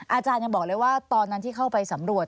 อาจารย์ยังบอกเลยว่าตอนนั้นที่เข้าไปสำรวจ